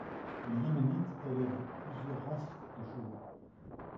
Les Yéménites élèvent plusieurs races de chevaux.